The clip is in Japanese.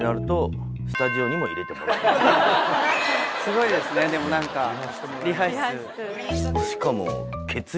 すごいですねでも何かリハ室。